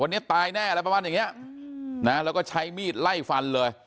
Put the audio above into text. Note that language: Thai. วันนี้ตายแน่อะไรประมาณอย่างเนี้ยนะแล้วก็ใช้มีดไล่ฟันเลย